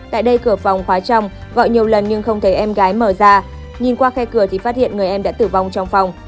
tại đây cửa phòng khóa trong gọi nhiều lần nhưng không thấy em gái mở ra nhìn qua khe cửa thì phát hiện người em đã tử vong trong phòng